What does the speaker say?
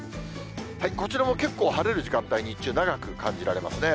こちらも結構晴れる時間帯、日中、長く感じられますね。